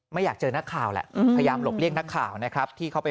ไม่อยากเจอนักข่าวแหละพยายามหลบเลี่ยงนักข่าวนะครับที่เข้าไป